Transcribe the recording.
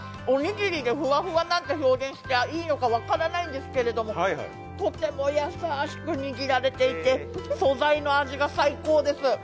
おにぎりでふわふわなんて表現していいのか分からないんですけれどもとても優しくにぎられていて、素材の味が最高です。